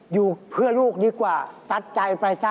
อยู่เพื่อลูกดีกว่าตัดใจไปซะ